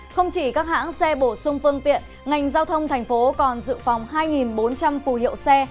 không chỉ các hãng xe bổ sung phương tiện ngành giao thông thành phố còn dự phòng hai bốn trăm linh phù hiệu xe